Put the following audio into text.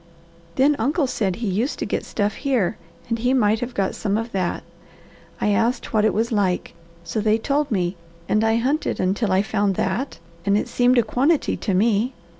Then uncle said he used to get stuff here, and he might have got some of that. I asked what it was like, so they told me and I hunted until I found that, and it seemed a quantity to me.